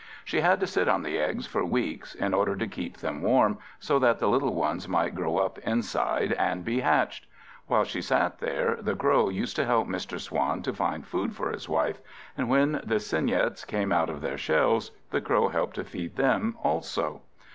She had to sit on the eggs for weeks, in order to keep them warm, so that the little ones might grow up inside and be hatched. While she sat there, the Crow used to help Mr. Swan to find food for his wife; and when the cygnets came out of their shells, the Crow helped to feed them also.